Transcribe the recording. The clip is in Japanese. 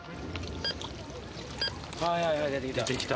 はいはい出てきた。